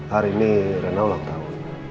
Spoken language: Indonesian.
hari ini rena ulang tahun